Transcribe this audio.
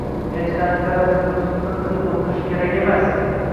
Hech qanaqa rasm-rusumni qilib o`tirish kerak emas